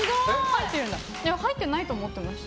入ってないと思ってました。